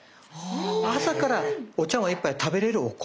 朝からお茶わん一杯食べれるお米。